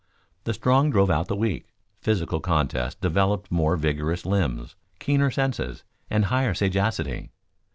The strong drove out the weak; physical contest developed more vigorous limbs, keener senses, and higher sagacity.